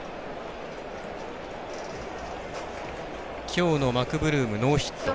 きょうのマクブルームノーヒット。